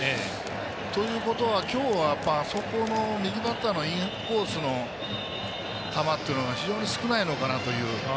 ということは、今日は右バッターのインコースの球っていうのは非常に少ないのかなという。